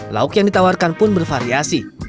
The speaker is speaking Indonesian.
lauk yang ditawarkan pun bervariasi